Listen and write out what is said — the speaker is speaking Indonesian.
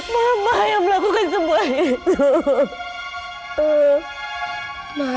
mama udah menabrak orang tuanya aida